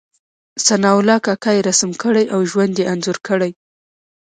ثناء الله کاکا يې رسم کړی او ژوند یې انځور کړی.